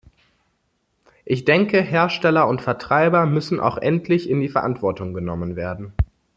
Ich denke, Hersteller und Vertreiber müssen auch endlich in die Verantwortung genommen werden.